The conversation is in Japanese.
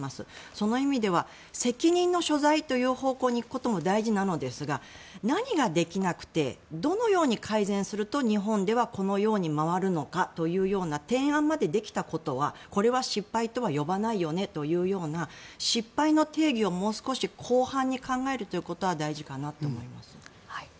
その意味では責任の所在という方向に行くことも大事なのですが何ができなくてどのように改善すると日本ではこのように回るのかというような提案までできたことはこれは失敗とは呼ばないよねというような失敗の定義をもう少し広範に考えるということは大事かなと思います。